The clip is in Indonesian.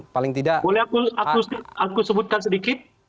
boleh aku sebutkan sedikit